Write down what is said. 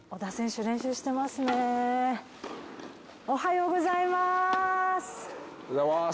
おはようございます！